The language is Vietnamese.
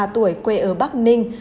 ba mươi ba tuổi quê ở bắc ninh